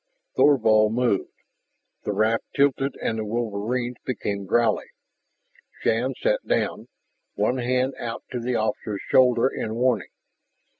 Thorvald moved. The raft tilted and the wolverines became growly. Shann sat down, one hand out to the officer's shoulder in warning.